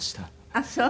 ああそう。